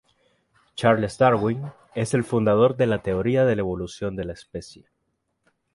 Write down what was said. Charles Darwin es el fundador de la teoría de la evolución de la especie.